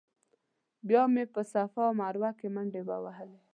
بیا مې په صفا مروه کې منډې ووهلې.